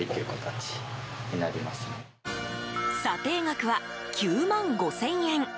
査定額は９万５０００円。